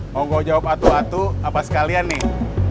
mau gue jawab atuh atuh apa sekalian nih